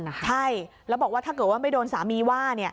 ใช่แล้วบอกว่าถ้าเกิดว่าไม่โดนสามีว่า